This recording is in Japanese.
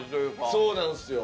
そうなんですよ。